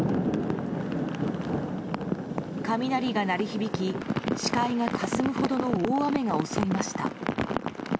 雷が鳴り響き視界がかすむほどの大雨が襲いました。